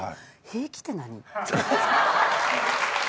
「平気」って何？